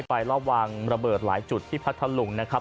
รอบวางระเบิดหลายจุดที่พัทธลุงนะครับ